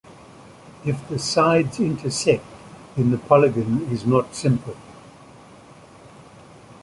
If the sides intersect then the polygon is not simple.